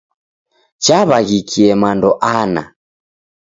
Chaw'aghikie mando ana.